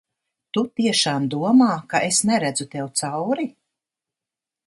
Tu tiešām domā, ka es neredzu tev cauri?